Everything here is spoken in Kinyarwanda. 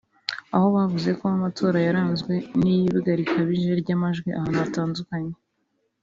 aho bavuze ko amatora yaranzwe n’iyibwa rikabije ry’amajwi ahantu hatandukanye